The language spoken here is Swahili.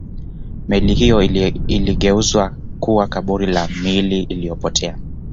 meli hiyo iligeuzwa kuwa kaburi la miili iliyopotea